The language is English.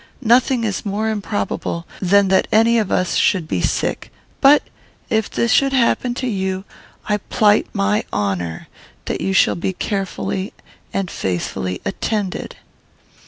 Nothing is more improbable than that any of us should be sick; but, if this should happen to you, I plight my honour that you shall be carefully and faithfully attended.'